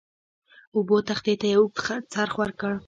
اوبو تختې ته یو اوږد څرخ ورکړ.